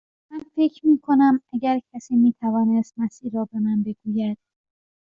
من فکر می کنم اگر کسی می توانست مسیر را به من بگوید.